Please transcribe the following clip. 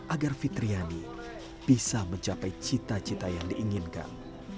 agar fitriani bisa mencapai cita cita yang diinginkan